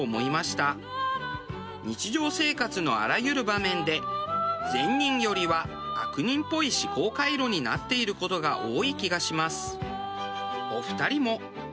日常生活のあらゆる場面で善人よりは悪人っぽい思考回路になっている事が多い気がします。